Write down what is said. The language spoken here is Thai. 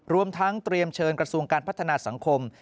รวมทั้งเตรียมเชิญกระทรวงการพัฒนาสังคม